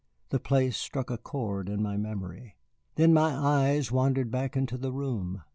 The place struck a chord in my memory. Then my eyes wandered back into the room.